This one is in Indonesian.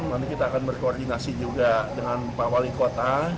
nanti kita akan berkoordinasi juga dengan pak wali kota